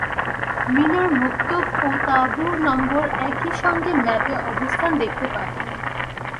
মিনার মক্তব ও তাঁবু নম্বর একই সঙ্গে ম্যাপে অবস্থান দেখতে পাবেন।